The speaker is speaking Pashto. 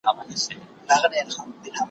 بله ورځ چي صحرايي راغی بازار ته